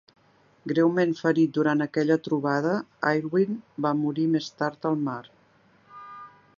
Greument ferit durant aquella trobada, Aylwin va morir més tard al mar.